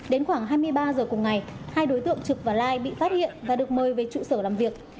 đến khoảng hai mươi ba giờ cùng ngày hai đối tượng trực và lai bị phát hiện và được mời về trụ sở làm việc